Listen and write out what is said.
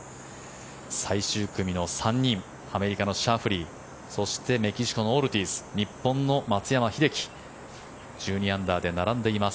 最終組の３人アメリカのシャフリーそして、メキシコのオルティーズ日本の松山英樹１２アンダーで並んでいます。